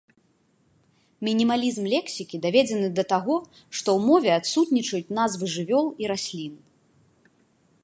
Мінімалізм лексікі даведзены да таго, што ў мове адсутнічаюць назвы жывёл і раслін.